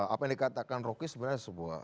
apa yang dikatakan rocky sebenarnya sebuah